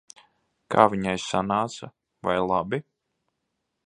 Kā viņai sanāca? Vai labi?